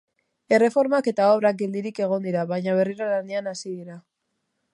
Erreformak eta obrak geldirik egon dira, baina berirro lanean hasi dira.